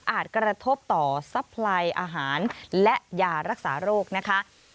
กระทบต่อซัพพลายอาหารและยารักษาโรคนะคะ